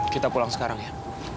kita pulang sekarang ya